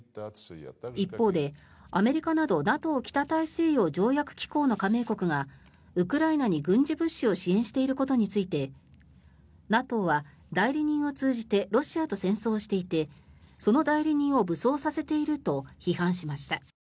一方でアメリカなどＮＡＴＯ・北大西洋条約機構の加盟国がウクライナに軍事物資を支援していることについてＮＡＴＯは代理人を通じてロシアと戦争をしていてその代理人を武装させていると批判しました。